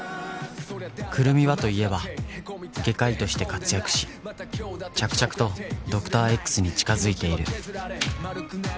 くるみはといえば外科医として活躍し着々とドクター Ｘ に近づいている